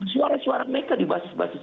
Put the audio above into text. suara suara mereka di basis basis